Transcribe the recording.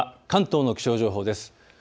関東の気象情報です。